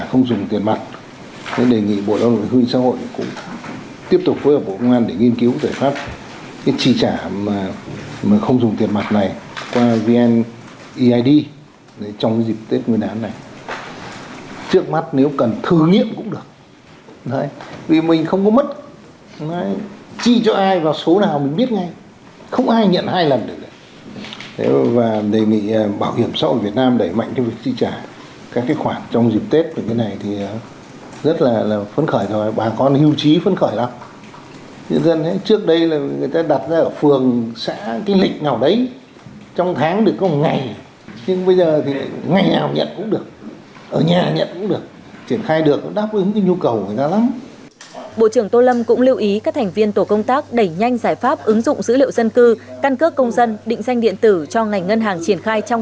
đồng thời xây dựng các hệ thống triển khai tại trung tâm dữ liệu quốc gia đồng thời xây dựng các hệ thống triển khai tại trung tâm dữ liệu quốc gia đồng thời xây dựng các hệ thống triển khai tại trung tâm dữ liệu quốc gia đồng thời xây dựng các hệ thống triển khai tại trung tâm dữ liệu quốc gia đồng thời xây dựng các hệ thống triển khai tại trung tâm dữ liệu quốc gia đồng thời xây dựng các hệ thống triển khai tại trung tâm dữ liệu quốc gia đồng thời xây dựng các hệ thống triển khai tại trung tâm dữ liệu quốc gia đồng thời xây dựng các hệ thống triển khai tại